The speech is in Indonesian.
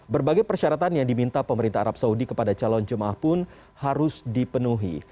berbagai persyaratan yang diminta pemerintah arab saudi kepada calon jemaah pun harus dipenuhi